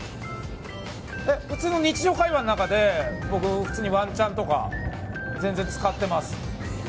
日常会話の中で僕、普通にワンチャンとか全然使ってます。